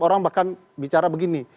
orang bahkan bicara begini